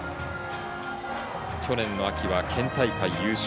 去年の秋は県大会優勝。